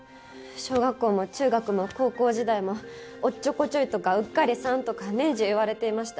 小学校も中学も高校時代もおっちょこちょいとかうっかりさんとか年中言われていました。